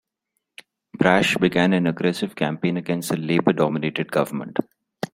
Brash began an aggressive campaign against the Labour-dominated government.